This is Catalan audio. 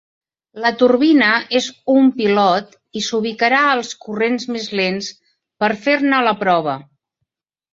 La turbina és un pilot i s'ubicarà als corrents més lents per fer-ne la prova.